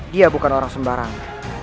dia bukan orang sembarang